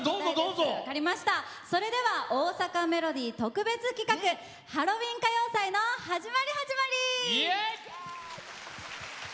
それでは「大阪メロディー」特別企画ハロウィーン歌謡祭の始まり始まり！